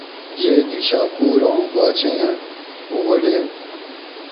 یہ نیشا پور آں باچیں غلیم